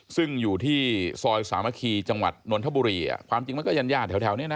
ซึ่งอยู่ที่ซอยสามัคคีจังหวัดนวลธบุรีความจริงมันก็ยานแถวเนี่ยนะ